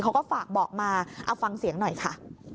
เขาก็ฝากบอกมาเอาฟังเสียงหน่อยค่ะ